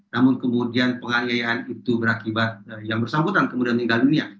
namun kemudian penganiayaan itu berakibat yang bersangkutan kemudian meninggal dunia